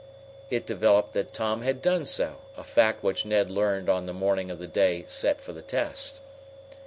It developed that Tom had done so, a fact which Ned learned on the morning of the day set for the test.